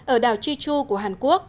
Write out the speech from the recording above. ở đảo chi chu của hàn quốc